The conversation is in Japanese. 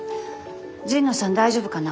神野さん大丈夫かな。